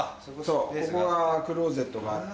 そうここはクローゼットがあって。